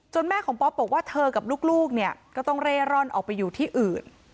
แม่ของป๊อปบอกว่าเธอกับลูกเนี่ยก็ต้องเร่ร่อนออกไปอยู่ที่อื่น